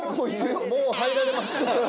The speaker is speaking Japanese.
もう入られました。